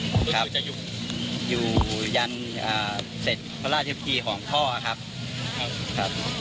รู้สึกว่าจะอยู่อยู่ยันเศรษฐ์พระราชพิธีของพ่อครับครับ